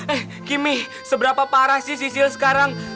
eh kimmy seberapa parah sih sisi sekarang